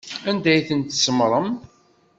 Anda ay ten-tsemmṛem?